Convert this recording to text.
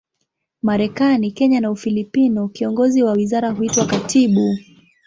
Marekani, Kenya na Ufilipino, kiongozi wa wizara huitwa katibu.